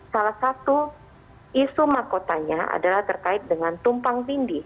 salah satu isu makotanya adalah terkait dengan tumpang pindih